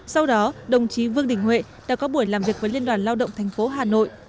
sau đó đồng chí vương đình huệ đã có buổi làm việc với liên đoàn lao động thành phố hà nội